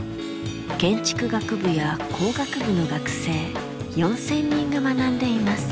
建築学部や工学部の学生４，０００人が学んでいます。